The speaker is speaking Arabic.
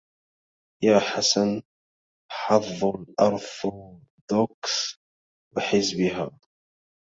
يا حسن حظ الأرثوذكس وحزبها